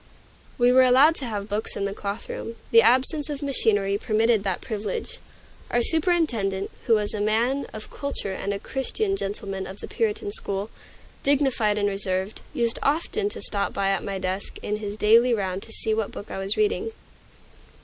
We were allowed to have books in the cloth room. The absence of machinery permitted that privilege. Our superintendent, who was a man of culture and a Christian gentleman of the Puritan school, dignified and reserved, used often to stop at my desk in his daily round to see what book I was reading.